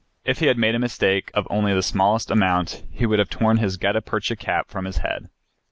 If he had made a mistake of only the smallest amount he would have torn his gutta percha cap from his head.